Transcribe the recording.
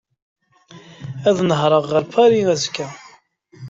Ad nehreɣ ɣer Paris azekka.